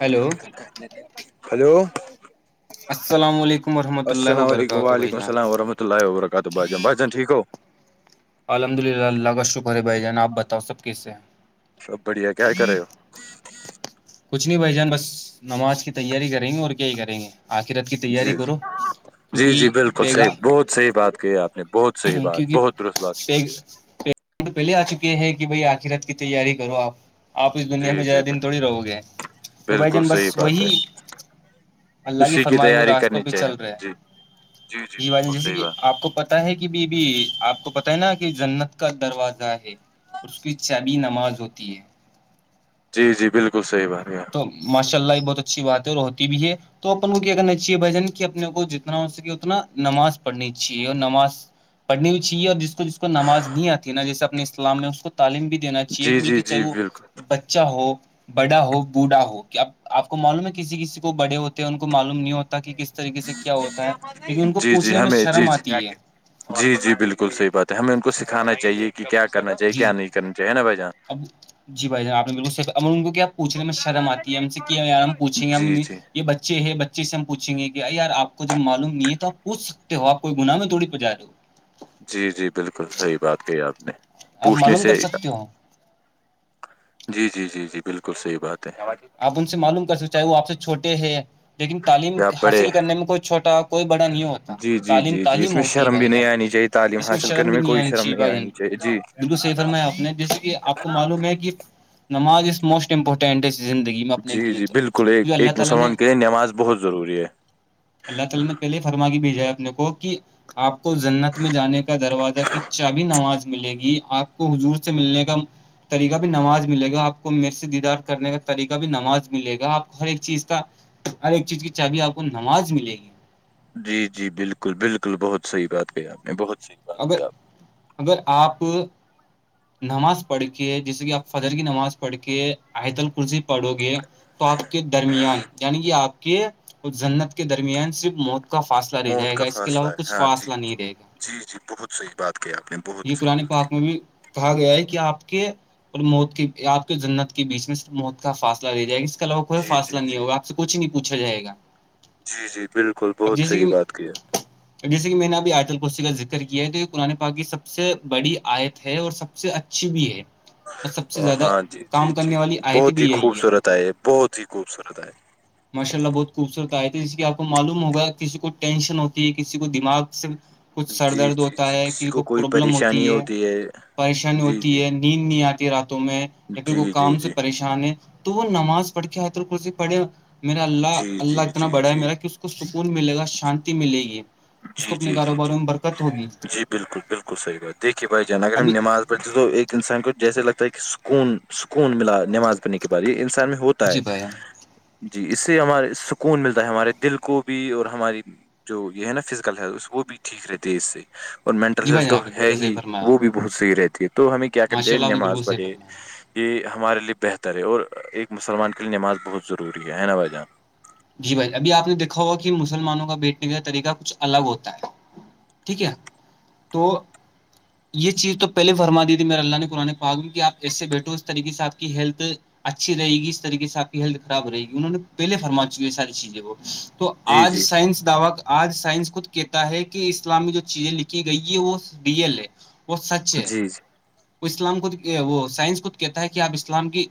Hello hello السلام علیکم ورحمۃ اللہ السلام علیکم وبرکاتہ بھائی وعلیکم جان السلام ورحمۃ اللہ وبرکاتہ بھائ جان بھائی جان ٹھیک ہو الحمد للہ اللہ کا شکر ہے بھائی جان آپ بتاؤ سب کیسے ہیں سب بڑھیا کیا کر رہے ہو کچھ نہیں بھائی جان بس نماز کی تیاری کریں گے اور کیا ہی کریں گے آخرت کی تیاری جی کرو جی کیونکہ جی بالکل پیگا صحیح بہت صحی بات کہ ہے آپ نے بہت صحیح بات کیونکہ بہت درست بات کی پہلے آ چکے ہے کہ بھائی آخر رات کی تیاری کرو آپ آپ اس دنیا جی میں جی زیادہ دن تھوڑی رہو گے تو بھائی بالکل جان بس صحیح بات ہے وہی اللہ کی اسی فرمائے ہوئے تیاری راستوں کرنی پہ چاہیے چل ہمیں رہے ہیں جی جی جی یہ باتیں بالکل جیسے صحیح کہ بات آپ کو پتا ہے کہ بی بیی آپ کو پتا ت نا کہ جنت کا دروازہ ہے اس کی چبی نماز ہوتی ہے جی جی بالکل صحیح بھیا تو ماشاء اللہ یہ بہت اچھی بات ہے اور ہوتی بھی ہے تو اپن کو کیا کرنا چاہیے بھ جن کہ اپنے کو جتنا ہو سکے اتنا نماز پڑھنی چاہیے اور نماز پڑنی بھی چاہیے اور جس کو جس کو نماز نہیں آتی نا جیسے اپنے اسلام میں اس کو تعلیم بھی دینا چاہیے جی جی بلکہ چاہے جی وہ بالکل بچہ ہو بڑا ہو بوڑا ہو اب آپ کو معلوم ہے کسی کسی کو بڑے ہوتے ہیں ان کو معلوم نہیں ہوتا کہ کس طریقے سے کیا ہوتا ہے کیونہ ان کو جی جی پوچھنے میں ہمیں جی شرم جی آتی ہے جی جی بالکل صحیح بات ہے ہمیں ان کو سکھانا چاہیے کہ کیا کرنا چاہیے جی جی کیا نہیں کرنا چاہے نا بھائی جان اب جی بھائی جانب آ نے بالل ان کو کیا پوھنے میں شرم آتی ہے ہم سے کیایار ہم پوچیں گے ہم جی جی یہ بچے ہیں بچے سے ہم پوچیں گے کہ آے یار آپ کو جب معلوم نہیں ہے تو آ پوچھ سکتے ہو آپ کو گناہ میں تھڑی پجا دو جی جی بالکل صحیح بات کہ آپ نے آپ پوچھنی معلوم کر سے ہیی سکتے ہو جی جی جی جی بالکل صحیح بات ہے آپ ان سے معلوم کر سکتے چاہے وہ آپ سے چھوٹے ہیں لیکن تعلیم آپ بڑے حاصل کرنے میں کوئی چھوٹا کوئی بڑا نہیں ہوتا جی جی تعلیم جی جی اس تعلیم میں ہوتی ہے شرم بھی بھائی نہیں جان آنی چاہیے تعلیم اس میں حاصل شرم کرنے بھی نہیں کوئی آنی شرم چاہے نہیں بائی آنی چاہیے جی بالگو سب میں اپنے جیسے کہ آپ کو معلوم ہے کہ نماز از موسٹ امپورٹنٹ ہے زندگی میں اپنے جی لیے جی تو بالکل ایک کیونکہ اللہ ایک تعالی نے مسلمان کے لیے نماز بہت ضروری ہے پہے فرماگی بھی جائے اپنے کو کہ آپ کو جنت میں جانے کا دروازہ کی چابی نماز ملے گی آپ کو حضور سے ملنے کا طریقہ بھی نماز ملے گا آپ کو میر سے دیدار کرنے کا طریقہ بھی نماز ملے گا آپ کو ہر ایک چیز کا ہر ایک چیز کی چابی آپ کو نماز ملے گی جی جی بالکل بالکل بہت صحیح بات کہی آپ نے بہت صحیح بات اگر کہی آپ اگر آپ نماز پڑھ کے جیسے کہ آپ فجر کی نماز پڑھ کے آہید ال کرسی پڑھو گے تو آپ کے درمیان یعنی کہ آپ کے جنت کے درمیان صرف موت کا فاصلہ نے رہے موت جائے گا کا اس کے فاصلہ علاوہ کچھ ہے ہاں جی فاصلہ نہیں رہے گا جی جی بہت صحیح بات کی آپ نے یہ بہت صحیح پرانے بات کی پاک میں بھی کہا گیا ہے کہ آپ کے اور موت کی آپ کی جنت کے بیچ میںر موت کا فاصلہ لے جائے گا اس کے علاوہ کوئی جی فاصلہ جی نہیں جی ہوگا آپ سے کچھ نہیں پوچھا جائے گا جی جی بالکل اب بہت جیسے صحیح بات کہ کیا ہے جیسے کہ میں نے اب آٹل کو کا ذر کیا ہے تو یہ پ پررے پا سب سب سے بڑی آیت ہے اور سب سے اچھی بھی ہے اور سب سے زیادہ ہاں جی جی کام جی کرنے والی آیت بہت ہی بھی یہی ہے خوبصورت آئے یہ بہت ہی خوبصورت آئے ماشاء اللہ بہت خوبصورت آئے تو ج کہ آپ کو معلوم ہوگا کسی کو ٹینشن ہوتی ہے کسی کو دماغ سے کچھ سر جی درد جی ہوتا جی ہے کسی کو کوئی پرابلم ہوتی پریشانی ہے پریشانی جی جی ہوتی ہے نیند نہیں آتی راتوں میں یا پھر کو جی جی کام سے جی پریشان تو وہ نماز پڑھ کے پڑھے میرا اللہ جی جی جی اللہ جی اتنا بڑا ہے جی میرا کہ کو سکون ملے گا شانتی ملے گی اس کو اپنے جی جی جی کاروباروں میں برکت ہوگی جی بالکل بالکل صحات دیکھیے بھائی جان اگر ہم ابھی نماز ایک انسان کو جیسے لگتا ہے کہ سکون سکون ملا نماز پڑنے کے بعد یہ انسان میں ہوتا ت ہے جی بھائی جی اس سے ہمارے سکون ملتا ہے ہمارے دل کو بھی اور ہماری جو یہ ہے نا فزیکل ہیتھ وہ بھی ٹھیک رہتے ہے اس سے اور مینٹل جی بھائی ہیلتھ جان تو آپ نے ہے بالکل صحیح ہی فرمایا وہ بھی بہت صحیح رہتی ہے تو ہمیں کیا کرنی ماشاء چاہے اللہ آپ نے نماز بالکل صحیح پڑھے فرمایا یہ ہمارے لیے بہتر ہے اور ایک مسلمان کے لیے نماز بہت ضروری ہے نا بھائی جان جی بھائی ابھی آپ نے دیکھا ہوا کہ مسلمانوں کا بیٹنے کا طریقہ کچھ الگ ہوتا ہے ٹھیک ہے تو یہ چیز تو پہلے فرم دی تھی میرے اللہ نے قرآن پا میں کہ آپ ایسے بیٹھو اس طریقے سے آپ کی ہیلتھ اچھی رہے گ اس طریقے سےپ کی ہیلتھ خراب رہے گ انہوں نے پہے فرما یہ ساری چیزیں وہ تو جی آج جی سائنس دعوا کا آج سائنس خود کہتا ہے کہ اسلامی جو چیزیں لکھی گئی ہے وہ بی ایل ہے وہ سچ ہے جی جی وہ اسلام کو وہ سائنس کو کہتا ہے کہ آپ اسلام کی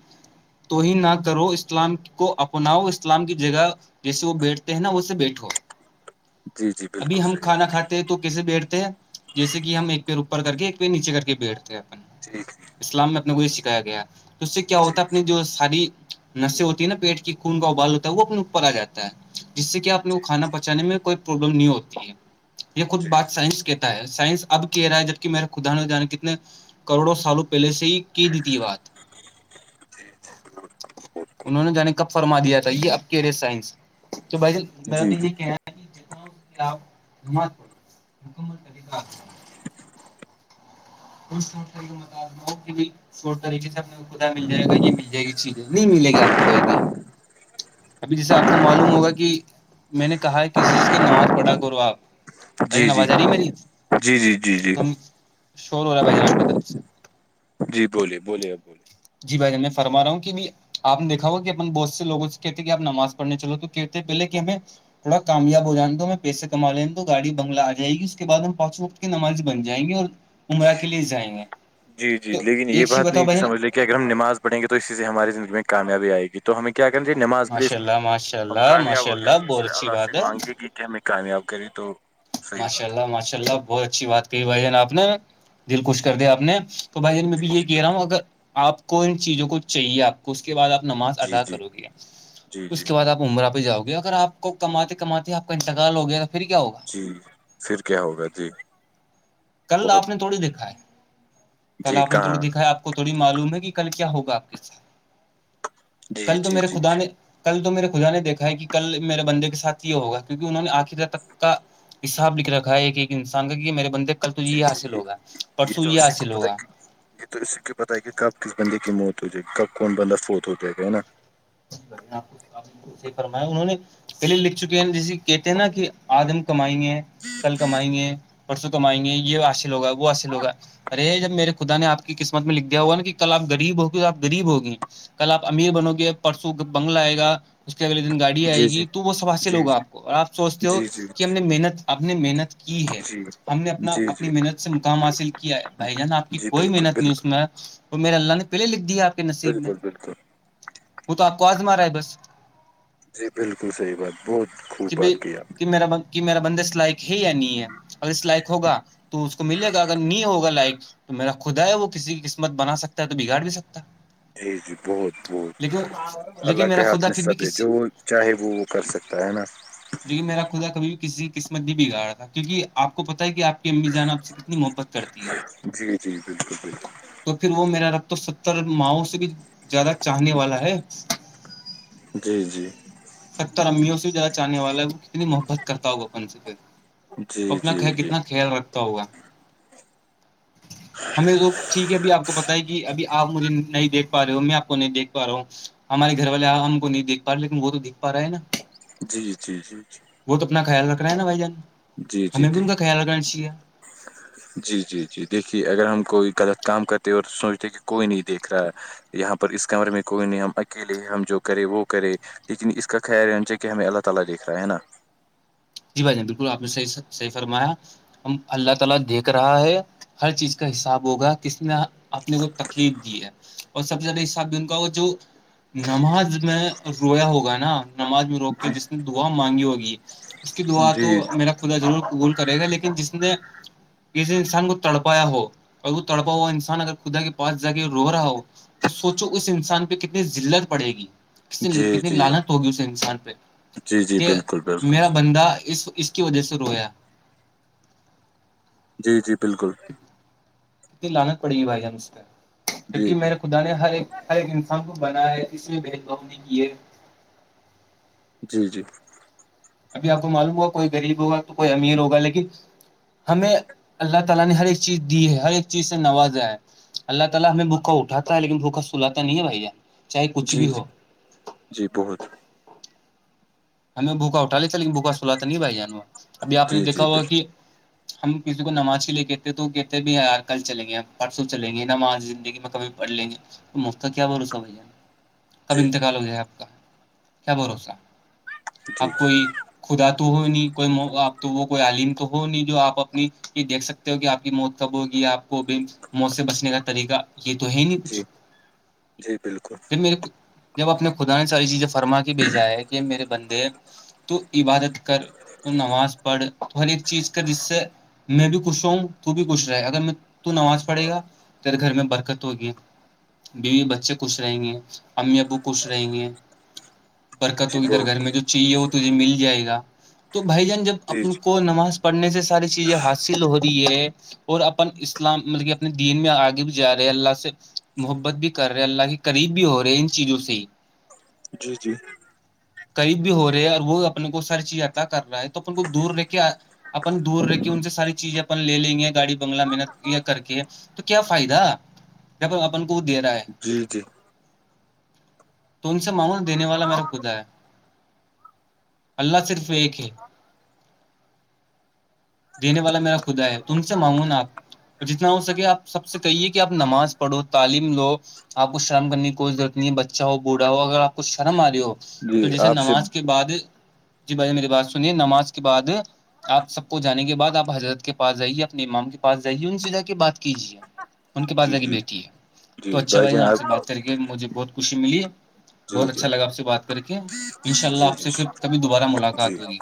تو ہی نہ کرو اسلام کو اپناؤ اسلام کی جگہ جیسے وہ بیٹھتے ہیں نا وہے بیٹھو جی جی ابھی بالکل ہم صحیح کھانا بات ہے. کھاتے ہیں تو کیسے بیٹھتے ہیں جیسے کہ ہم ایک پیر اوپر کر کے ایک پیر نیچے کر کے بیٹھتے ہیں اپن ٹھیک اسلام میں اپنے کو یہ سکھایا گیا تو اس سے کیا ہوتا ہے اپنی جو ساری نشے ہوتی ہیں نا پیٹ کی خون کا ابال ہوتا ہے وہ اپنے اوپر آ جاتا ہے جس سے کہ آپنے کو کھانا بچانے میں کوئی پرابلم نہیں ہوتی ہے یہ خود بات سائنس کہ سائنس اب کہہ رہا ہے جبکہ میرے خداان جان کتنے کروڑوں سالوں پہلے سے ہی کی دی تھی بات جی جی انہوں نے جانے کب فرما دیا تھا یہ اب کے رے سائنس تو بلا تو جی جی یہ کہنا جت کے خلاف جمات پڑو مکمل طریبار کچھ ط طریقے بتا ش طریقے سے پتا مل جائے گا یہ مل جائے گی چیزیں نہیں ملے گی آپ کو کوئی بھی ابھی جیسے آپ کو معلوم ہوگا کہ میں نے کہا ہے کسی چیز کی نماز پڑھا کرو آپ بھ جی جی جان جی آواز آ رہی ہے میری جی جی جی جی تم شور ہو رہا بھ جان آپ کی طرف سے جی بولیے بولیے بولیے جی بھائی جان میں فرما رہا ہوں کہ آپ نے دیکھا ہوا کہ اپنے بہت سے لوگوں سے کہتے ہیں کہ آپ نماز پڑنے چلو تو کہتے ہیں پہلے کہ ہمیں تھوڑا کامیاب ہو جائیں تو ہمیں پیسے کما لیں تو گای بنگلہ آ جائے گی اس کے بع ہم پانچ وقت کی نمازی بن جائیں گی اور عمرہ کے لیے جائیں گے جی جی تو لیکن یہ ایک چیز بات بتاؤ نہیں بھائی جان، سمجھ ل اگر ہم نماز پڑیں گ تو اسی سے ہماری زندگی میں کامیاب آ گی تو ہمیں ایک کیا کریںتی نماز پریس ماشاء اللہ ماشاء اب اللہ کامیاب ماشاء ہو جائیں اللہ گی اس بہت لیے اچھی اللہ سے بات ہے مانگے گی کہ ہم کامیاب کری تو صحیح ماشاء بات ہے اللہ ماشاء اللہ بہت اچھی بات کہی بھائی ج نے آپ نے دل خوش کر دیا آپ نے تو بھائی جان میں بھی جی یہ جی کہہ رہا بالکل ہوں اگر آپ کو ان چیزوں کو چاہیے آپ اس کے بعد آپ نماز جی ادا جی کرو گے جی اس جی کے بعد آپ امراپ ہی جاؤ گے اگر آپ کو کماتے کماتے آ کا انتقال ہو گیا تو پھر کیا ہوگا جی پھر کیا ہوگا جی کل بہت آپ نے تھوڑی دکھاائے کل جی آپ نے تھوڑی کہاں دکھاائے آپ کو تھوڑی معلوم ہے کہ کل کیا ہوگا آپ کے ساتھ جی کل تو جی میرے جی جی خدا نے کل تو میرے خدا نے دیکھا ہے کہ کل میرے بندے کے سھ یہ ہوگا کیک انہوں نے آخر تک کا اس صاحب لکھ رکھا ہے ایک ایک انسان کا کہ میرے بندے کل تو یہ جی حاصل جی ہوگا پرسوں تو یہ اسی کو حاصل پتا ہوگا کہ یہ تو اس سے کی پتتا ہے کہ کب کس بندے کی موت ہو جائےی کب کون بندہ فوت ہو جائے گا ہے نا فرمایا انہوں نے پہلے لکھ چکے ہیں جسے کہتے ہیں نا کہ آدم کمائیں گے کل کمائیں گے پرسوں کمائیں گے یہ حاصل ہوگا وہ حاصل ہوگا ارے جب میرے خدا نے آپ کی قسمت میں لکھ دیا ہوا نا کہ کل آپ غریب ہوگی تو آپ غریب ہوگی کل آپ امیر بنو گے پرسوں بنگلہ آئے گا اس کے الے دن گاڑی آئے جی گی جی تو وہ سبا جی لوگا آ جی کو آپ سوچتے ہو جی جی کہ ہم نے محنت آپ نے محنت کی ہے جی ہم نے اپنا جی اپنی جی محنت سے مقام حاصل کیا ہے بھائی جان آپ کی جی کوئی بالکل محنت نہیں بالکل اس میں اور میر اللہ نے پہل لکھ دییاپ بالکل بالکل وہ تو آپ کو آز مارا ہے بس جی بالکل صحیح بات بہت خوب کہ بھی بات کی آپ نے کہ میرا ب میرا بندے سلائیک ہے یا نہیں ہے اگر اس لائک ہوگا تو اس کو ملے گا اگر نہیں ہوگا لائک تو میرا خودا ہے وہ کسی کی قسمت بنا سکتا ہے تو بگاڑ بھی سکتا ہے جی جی بہت بہت لیکن لیکن اللہ میرا کے ہاتھ خدا میں پھر بھی سب ہے کسی جو چاہے وہ وہ کر سکتا ہے نا جوک کہ میرا خدا کبھی بھی کسی قسمت نہیں بگا رہا تھا کیوںک آپ کو پتا ہے کہ آ امی جان آپ سے کتنی محبت کرتی ہے جی جی بالکل بالکل تو پھر وہ میرا رب تو ستر ماہؤ سے بھی زیادہ چاہنے والا ہے جی جی ستر امیوں سے زیادہ چاہنے والا ہے کتنی محبت کرتا ہو گپن سے پھر جی اپنا جی جی کتنا خیال رکھ ہوگا ہمیں تو ٹھیک ہےب آپ کو پت ہے کہ ابھی آپ مجھے نہیں دیکھا رہے ہو میں آپ کو نہیں دھ پا رہا ہوں ہمارے گھر والے آپ ہم کو نہیںیکھ پا رہے لیکن وہ تو دیکھ پا ہےا جی جی جی جی وہ تو اپنا خیال رکھنا ہے نا بھائی جان جی جی ہمیں بھی جی ان کا خیال رکھنا [inaudible] جی جی جی دیکھیے اگر ہم کوئی غلط کام کرتے اور سوچتے کہ کوئی نہیں دیکھ رہا ہے یہاں پر اس کمرے میں کوئی نہیں ہم اکیلے ہم جو کرے وہ کرے لیکن اس کا خیال ہے ان چاہ کہ ہمیں اللہ تعالی دیکھ رہا ہے نا جی بھائی جان بالکل آپ نے صحی صحیح فرمایا ہم اللہ تعالی دیکھ رہا ہے ہر چیز کا حساب ہوگا کسی نے اپنے کو تکلیف دی ہے اور سب سے زیادہ حساب بھی ان کا وہ جو نماز میں رویا ہوگا نا نماز میں روک کے جی جس نے دعا مانگی ہوگی اس کی دعا تو جی میرا خدا ضور قبول کرے گا لیکن جس نے جسے انسان کو تڑپایا ہو اور وہ تڑپا ہوا انسان اگر خدا کے پاس جا کے رو رہا ہو تو سوچو اس انسان پہ کتنی لت پڑے گی ک جی کتنی جی لالت ہوگی اس انسان پہ جی جی کہ بالکل بالکل میرا ندا اس اس کی وجہ سے رویا جی جی بالکل کنی لانت پڑے گی بھائی جانج پ جی کیونکہ جی میرے خدا نے ہر ایک ہر ایک انسان کو بنایا ہے اس میں بھید بھاؤ نہیں کی ہے جی جی ابھی آپ کو معلوم ہوا کوئی غریب ہوگا تو کوئی امیر ہوگا لیکن ہمیں اللہ تعالی نے ہر ایک چیز دی ہے ہر ایک چیز سے نوازا ہے اللہ تالی ہمیں بوکا اٹھاتا لیکن بھکا سلاتا نہیں بھیا چاہے کچھ جی بھی جی ہو جی بہت ہمیں بھوکا اٹا لیتا لیکن بھوکا سلاا نہیں بھائی ابھی آپ نے جی دیکھا جی ہوا بالکل کہ ہم کسی کو نماز ہی لے کےتے تو کہتے بھی یار کل چلیں گے پرسوں چلیں گے نماز زندگی میں کبھی پڑھ لیں گے مفت کیا بھروسہ بھیا کب جی انتقال ہو جائے آپ کا کیا بھروسہ جی آپ کوئی خدا تو ہو نہیں کوئی آپ تو وہ کوئی عالم تو ہو نہیں جو آپ اپنی کہ دیکھ سکتے ہو کہ آپ کی موت کب ہوگی آپ کوب موت سے بچنے کا طریقہ یہ تو ہے نہیں جی کچھ جی بالکل جب میرے کو جب اپنے خدا نے ساری چیزیں فرما کے بھیجا ہے کہ میرے بندے تو عبادت کر تو نماز پڑھ تو ہر ایک چیز کا جس سے میں بھی خوش رہ ہوں تو بھی خوش رہے اگر میں تو نماز پڑھے گا پھر گھر میں برکت ہوگی بیوی بچے خوش رہیں گے امی ابو خوش رہیں گی برکت جی ہوی ادھر بہت گھر میں جو چاہیے وہ تجھے مل جائے گا تو بھائی جان جب اپ جی جی کو نماز پڑھنے سے ساری چیزیں حاصل ہو رہی ہے اور اپن اسلام مطلب کہ اپنے دین میں آگے بھی جا رہے ہیں اللہ سے محبت بھی کر رہے ہیں اللہ کی قریب بھی ہو رہے ہیں ان چیزوں سے ہی جی جی قریب بھی ہو رہے ہے اور وہ اپنے کو سر چیز عطا کر رہا ہے تو اپنے کو دور رہ کے اپن دور رہ کے ان سے ساری چیزیں اپن لے لیں گے گاڑی بنگلہ میںنت یہ کر کے تو کیا فائدہ جب اپن کو وہ دے رہا ہے جی جی تو ان سے معمول دینے والا میرا خدا ہے اللہ صرف ایک ہے دینے والا میرا خدا ہے تم سے معمون آپ جتنا ہو سکے آپ سب سے کہیے کہ آپ نماز پڑھو تعلیم لو آپ کو شرم کرنے کی کوش ضرورت نہیں ہے بچہ ہو بوڑھا ہو اگر آپ کو شرم آ رہی ہو جی تو جسے آپ سے نماز کے بعد جی بھائی میری بات سنیے نماز کے بعد آپ سب کو جانے کے بعد آپ حضرت کے پاس جائیے اپنے امام کے پاس جائیے ان سے جا کے بات کیجیے ان کے پاس جی جا کے جی بیٹی ہے تو اچھا بھائی نا آپ سے بات کریں مجھے بہت خوشی ملی جی بہت جی اچھا لگا آپ سے بات کر کے شء اللہ جی آپ جی سے پھر کبھی دوبارہ جی ملاقات ہوگی